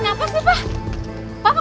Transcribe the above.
ini semua hanya salah paham